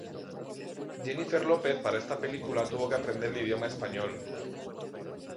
Jennifer Lopez para esta película tuvo que aprender el idioma español.